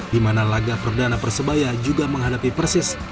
di mana laga perdana persebaya juga menghadapi persis